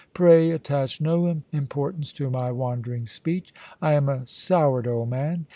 Pray attach no importance to my wandering speech. I am a soured old man.